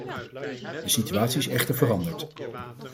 De situatie is echter veranderd.